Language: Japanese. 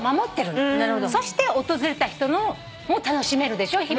そして訪れた人も楽しめるでしょ。